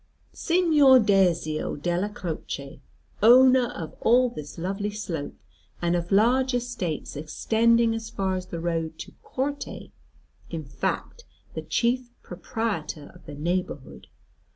Signor Dezio Della Croce, owner of all this lovely slope, and of large estates extending as far as the road to Corte; in fact the chief proprietor of the neighbourhood.